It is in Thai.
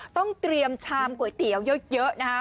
ต้องเตรียมชามก๋วยเตี๋ยวเยอะนะคะ